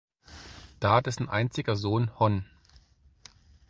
Da dessen einziger Sohn, Hon.